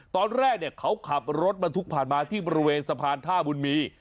ตอนแรกเขาขับรถบรรทุกผ่านมาที่บริเวณสะพานท่าบุญมี